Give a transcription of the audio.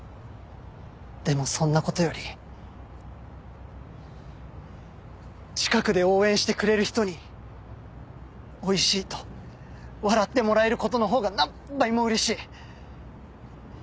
でもそんな事より近くで応援してくれる人においしいと笑ってもらえる事のほうが何倍も嬉しい。